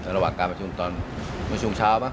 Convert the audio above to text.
ระหว่างกากประชุมตอนมื้อชุมเช้า